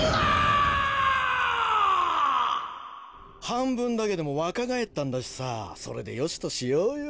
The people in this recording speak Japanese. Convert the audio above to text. はんぶんだけでもわかがえったんだしさそれでよしとしようよ。